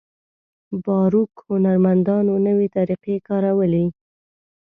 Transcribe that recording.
باروک هنرمندانو نوې طریقې کارولې.